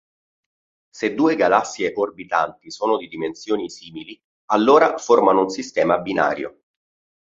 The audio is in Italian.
Se due galassie orbitanti sono di dimensioni simili, allora formano un sistema binario.